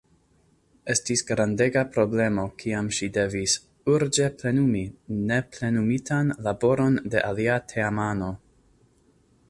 Estis grandega problemo kiam ŝi devis “urĝe plenumi neplenumitan laboron de alia teamano.